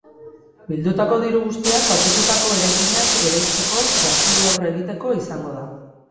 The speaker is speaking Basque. Bildutako diru guztiak kaltetutako eraikinak eraisteko gastuei aurre egiteko izango da.